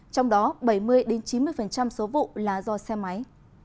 trong đó bảy mươi chín mươi số vụ là do xe máy